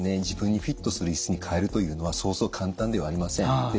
自分にフィットするイスに変えるというのはそうそう簡単ではありません。